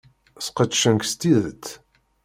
Sqedcent-k s tidet.